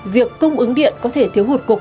việc cung ứng điện có thể thiếu hụt cục